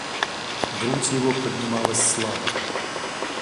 Грудь его поднималась слабо.